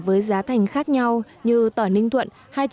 với giá thành khác nhau như tỏi ninh thuật